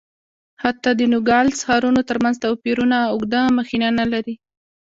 حتی د نوګالس ښارونو ترمنځ توپیرونه اوږده مخینه نه لري.